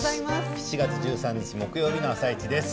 ７月１３日木曜日の「あさイチ」です。